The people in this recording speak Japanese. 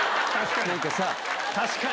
確かに。